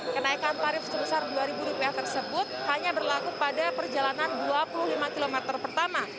kenaikan tarif sebesar rp dua tersebut hanya berlaku pada perjalanan dua puluh lima km pertama